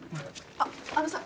あっあのさ